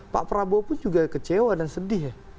pak prabowo pun juga kecewa dan sedih ya